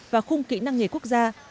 và khung kỹ năng nghề quốc gia